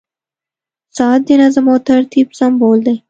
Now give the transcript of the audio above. • ساعت د نظم او ترتیب سمبول دی.